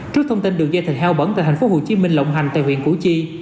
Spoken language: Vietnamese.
trước thông tin đường dây thực bẩn tại tp hcm lộng hành tại huyện củ chi